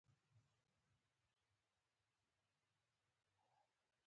سپوږمۍ ځمکې ته یوه مخ ښکاره کوي